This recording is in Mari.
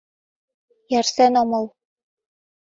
Ярсен омыл.